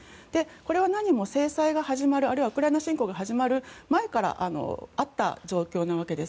これは何も制裁が始まるあるいはウクライナ侵攻が始まる前からあった状況のわけです。